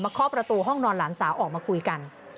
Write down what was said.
เคาะประตูห้องนอนหลานสาวออกมาคุยกัน